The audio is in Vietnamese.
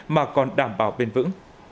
mà còn đảm bảo bền vững